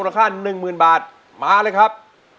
ราคาหนึ่งหมื่นบาทมาเลยครับ